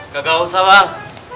gak usah bang